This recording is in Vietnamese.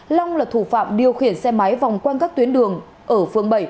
long là thủ phạm điều khiển xe máy vòng quan các tuyến đường ở phường bảy